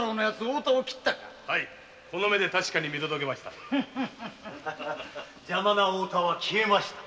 太田この目で確かに見届けました邪魔な太田は消えました。